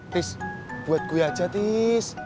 tis buat gue aja tis